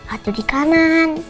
ada di kanan